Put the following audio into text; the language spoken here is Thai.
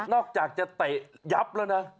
อกจากจะเตะยับแล้วนะ